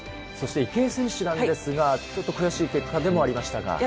そして池江選手なんですが、ちょっと悔しい結果でもありましたが。